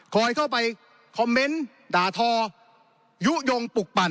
เข้าไปคอมเมนต์ด่าทอยุโยงปลุกปั่น